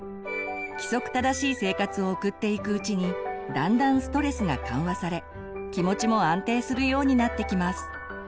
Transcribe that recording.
規則正しい生活を送っていくうちにだんだんストレスが緩和され気持ちも安定するようになってきます。